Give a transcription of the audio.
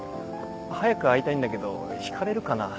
早く会いたいんだけど引かれるかな？